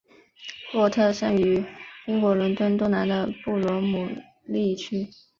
洛特生于英国伦敦东南的布罗姆利区。